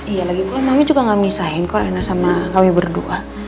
iya lagi gue mami juga gak misahin kok rena sama kami berdua